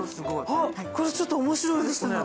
あっこれちょっと面白いですね。